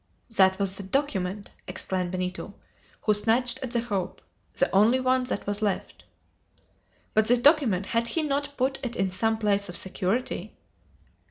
"That was the document!" exclaimed Benito, who snatched at the hope the only one that was left. "But this document; had he not put it in some place of security?"